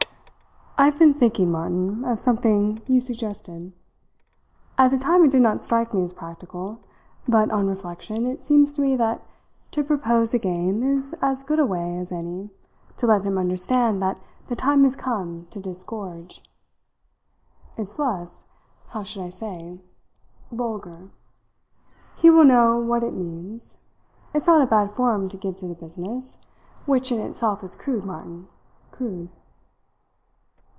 "I've been thinking, Martin, of something you suggested. At the time it did not strike me as practical; but on reflection it seems to me that to propose a game is as good a way as any to let him understand that the time has come to disgorge. It's less how should I say? vulgar. He will know what it means. It's not a bad form to give to the business which in itself is crude, Martin, crude."